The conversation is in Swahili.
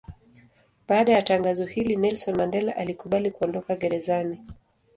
Baada ya tangazo hili Nelson Mandela alikubali kuondoka gerezani.